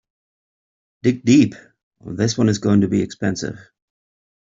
Dig deep, this one is going to be expensive!.